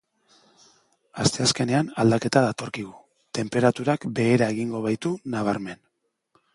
Asteazkenean aldaketa datorkigu, tenperaturak behera egingo baitu nabarmen.